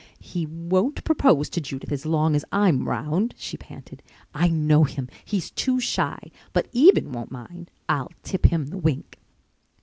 "He won't propose to Judith as long as I'm round," she panted. "I know him—he's too shy. But Eben won't mind—I'll tip him the wink."